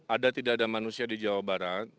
ada tidak ada manusia di jawa barat